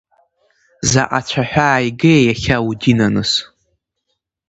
Заҟа цәаҳәа ааигеи иахьа, удинаныс!